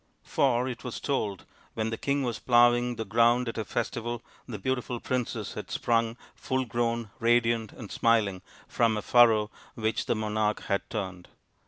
For it was told, when the king was ploughing the ground at a festival the beautiful princess had sprung, : ull grown, radiant and smiling, from a furrow which .he monarch had turned.